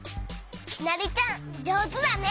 きなりちゃんじょうずだね！